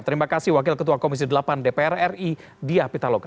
terima kasih wakil ketua komisi delapan dpr ri diah pitaloka